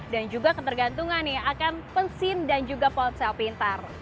dan juga ketergantungan nih akan pesin dan juga ponsel pintar